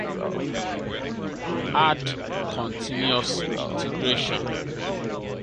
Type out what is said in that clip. Add continious integration